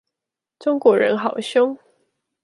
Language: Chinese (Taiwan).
中國人好兇